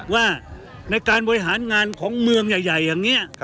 ว่าในการบริหารงานของเมืองใหญ่อย่างนี้